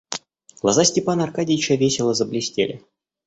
Глаза Степана Аркадьича весело заблестели.